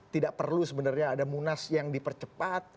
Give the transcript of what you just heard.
tidak perlu sebenarnya ada munas yang dipercepat